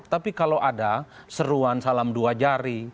tapi kalau ada seruan salam dua jari